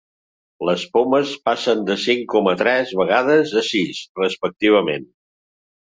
Les pomes passen de cinc coma tres vegades a sis, respectivament.